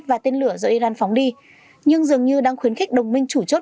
và tên lửa do iran phóng đi nhưng dường như đang khuyến khích đồng minh chủ chốt